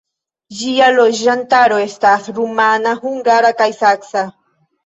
Ĝia loĝantaro estas rumana, hungara kaj saksa.